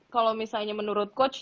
kalau misalnya menurut coach